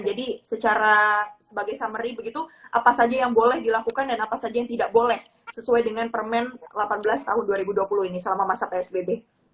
jadi secara sebagai summary begitu apa saja yang boleh dilakukan dan apa saja yang tidak boleh sesuai dengan permen delapan belas tahun dua ribu dua puluh ini selama masa psbb